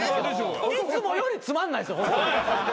いつもよりつまんないですよ。